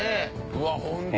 うわっホント！